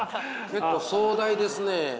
結構壮大ですね。